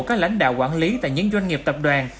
các lãnh đạo quản lý tại những doanh nghiệp tập đoàn